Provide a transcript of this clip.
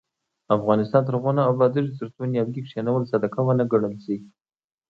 افغانستان تر هغو نه ابادیږي، ترڅو نیالګي کښینول صدقه ونه ګڼل شي.